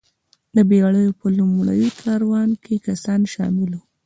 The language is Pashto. د بېړیو په لومړي کاروان کې کسان شامل وو.